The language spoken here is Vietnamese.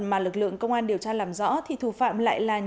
mà lực lượng công an điều tra làm rõ thì thù phạm lại là nhóm